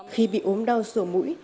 khi bị ốm đau sổ mũi